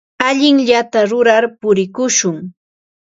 Allinllata rurar purikushun.